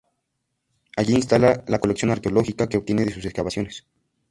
Allí instala la colección arqueológica que obtiene de sus excavaciones.